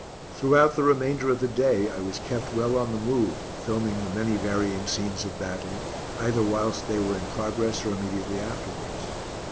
Throughout the remainder of the day I was kept well on the move, filming the many varying scenes of battle, either whilst they were in progress or immediately afterwards.